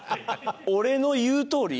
「俺の言うとおり」？